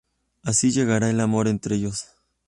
Así llegará el amor entre ellos.